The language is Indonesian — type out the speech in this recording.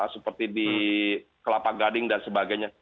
seperti di kelapa gading dan sebagainya